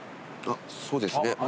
あっそうですね。